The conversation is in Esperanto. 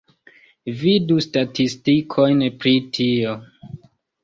Vidu statistikojn pri tio.